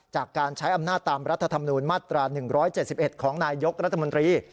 จากการใช้อำนาจตามรัฐธรรมนูญมาตรา๑๗๑ของนายยกรัฐมนตรี